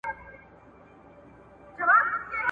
شګه پاکه کړه،